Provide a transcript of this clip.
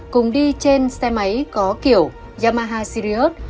cùng đi trên xe máy có kiểu yamaha sirius